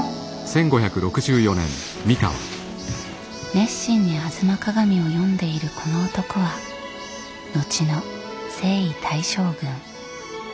熱心に「吾妻鏡」を読んでいるこの男は後の征夷大将軍徳川家康。